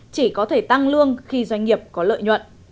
chỉ có thể tăng lương khi doanh nghiệp có lợi nhuận